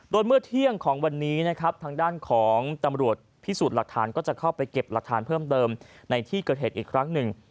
โดยเมื่อเที่ยงของวันนี้นะครับทางด้านของตำรวจพิสูจน์หลักฐานก็จะเข้าไปเก็บหลักฐานเพิ่มเติมในที่เกิดเหตุอีกครั้งหนึ่ง